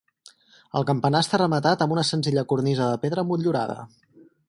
El campanar està rematat amb una senzilla cornisa de pedra motllurada.